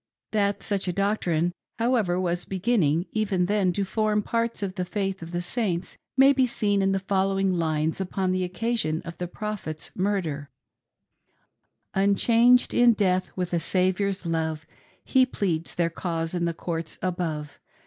Thgt such a doctrine, however, was begin ning, even then, to form part of the faith of the Saints, may be' seen in the following lines upon the occasion of the Pcophet's murder :" Unchanged in death, with a Saviour's love, He pleads their cause in the courts above.